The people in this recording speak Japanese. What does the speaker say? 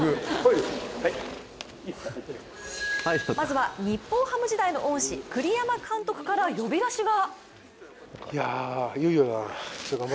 まずは日本ハム時代の恩師栗山監督から呼び出しが。